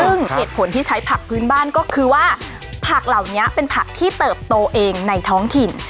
ซึ่งเหตุผลที่ใช้ผักพื้นบ้านก็คือว่าผักเหล่านี้เป็นผักที่เติบโตเองในท้องถิ่น